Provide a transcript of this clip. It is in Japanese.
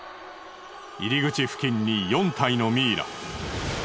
入り口付近に４体のミイラ。